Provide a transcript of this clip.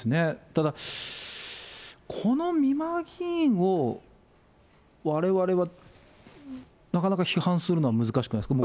ただ、この美馬議員をわれわれはなかなか批判するのは難しくないですか。